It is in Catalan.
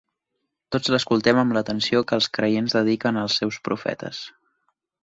Tots l'escoltem amb l'atenció que els creients dediquen als seus profetes.